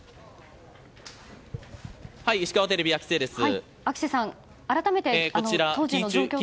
石川テレビ、秋末です。